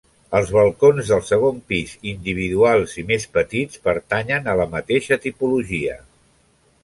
Els balcons del segon pis, individuals i més petits, pertanyen a la mateixa tipologia.